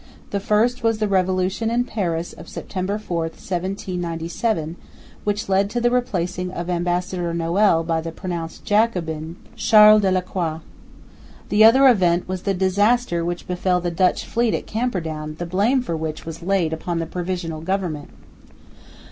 The first was the revolution in Paris of September 4, 1797, which led to the replacing of ambassador Noël by the pronounced Jacobin, Charles Delacroix. The other event was the disaster which befell the Dutch fleet at Camperdown, the blame for which was laid upon the Provisional Government.